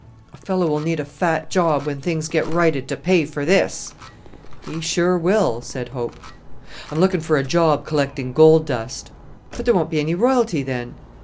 "A fellow will need a fat job when things get righted to pay for this!" "He sure will," said Hope. "I'm looking for a job collecting gold dust." "But there won't be any royalty then."